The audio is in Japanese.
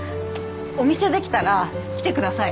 お店できたら来てくださいよ